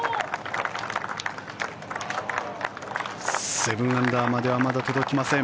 ７アンダーまではまだ届きません。